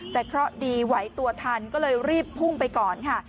แต่เคราะห์ดีไหวตัวทันก็เลยรีบพุ่งไปก่อนค่ะ